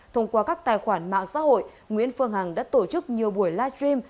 thông qua các tài khoản mạng xã hội nguyễn phương hằng đã tổ chức nhiều buổi live stream